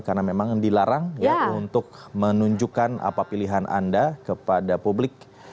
karena memang dilarang untuk menunjukkan apa pilihan anda kepada publik